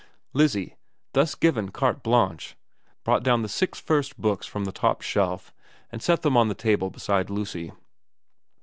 Lizzie, thus given carte blanche, brought down the six first books from the top shelf, and set them on the table beside Lucy.